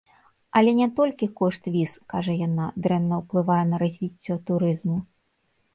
Але не толькі кошт віз, кажа яна, дрэнна ўплывае на развіццё турызму.